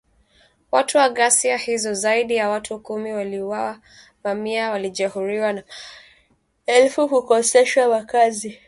Wakati wa ghasia hizo, zaidi ya watu kumi waliuawa, mamia walijeruhiwa na maelfu kukoseshwa makazi.